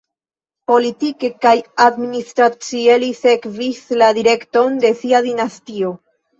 Politike kaj administracie li sekvis la direkton de sia dinastio.